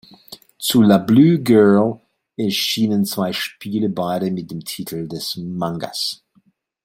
Zu "La Blue Girl" erschienen zwei Spiele, beide mit dem Titel des Mangas.